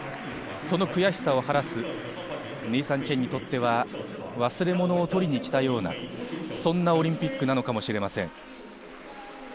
その悔しさを晴らす、ネイサン・チェンにとっては忘れ物を取りに来たようなそんなオリンピックなのかもしれません。